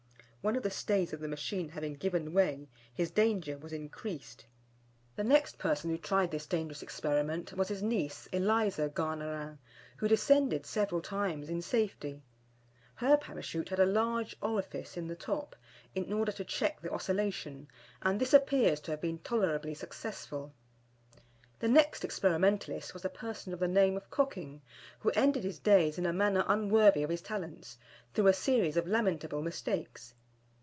One of the stays of the machine having given way, his danger was increased. The next person who tried this dangerous experiment was his niece, Eliza Garnerin, who descended several times in safety. Her Parachute had a large orifice in the top, in order to check the oscillation, and this appears to have been tolerably successful. The next experimentalist was a person of the name of Cocking, who ended his days in a manner unworthy his talents, through a series of lamentable mistakes.